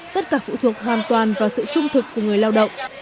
tất cả phụ thuộc hoàn toàn vào sự trung thực của người lao động